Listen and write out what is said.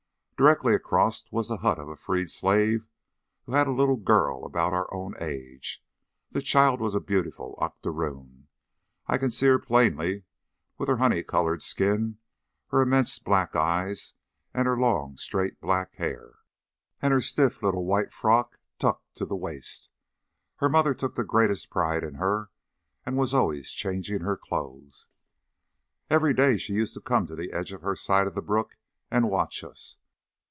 Directly across was the hut of a freed slave who had a little girl about our own age. The child was a beautiful octaroon. I can see her plainly, with her honey coloured skin, her immense black eyes, her long straight black hair, and her stiff little white frock tucked to the waist. Her mother took the greatest pride in her, and was always changing her clothes. "Every day she used to come to the edge of her side of the brook and watch us.